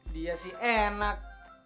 dia sih enak